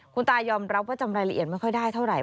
คุณตายอมรับว่าจำไรละเอียดไม่ได้เท่าไหร่